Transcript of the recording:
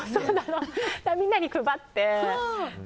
みんなに配って。